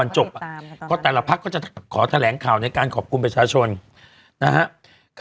ใช่พี่ต้องติดตาม